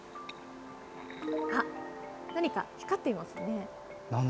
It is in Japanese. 何か光っていますね。